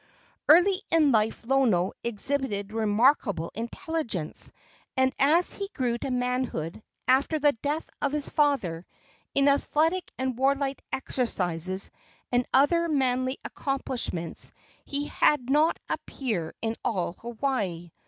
Early in life Lono exhibited remarkable intelligence, and as he grew to manhood, after the death of his father, in athletic and warlike exercises and other manly accomplishments he had not a peer in all Hawaii.